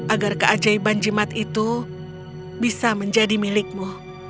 agar keajaiban jimat itu bisa menjadi milikmu